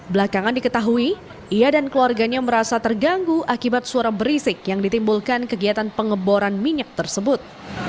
belakangan diketahui ia dan keluarganya merasa terganggu akibat suara berisik yang ditimbulkan kegiatan pengeboran minyak tersebut